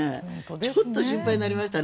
ちょっと心配になりましたね